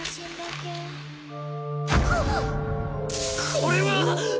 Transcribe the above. これは！